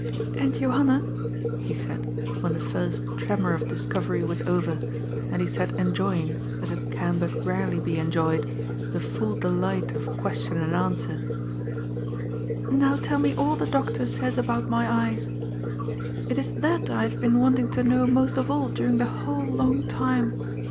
" And, Johanna," he said, when the first tremor of dis covery was over, and he sat enjoying, as it can but rarely be enjoyed, the full delight of question and answer, " now tell me all the doctor says about my eyes. It is that I have been wanting to know most of all during the whole long time.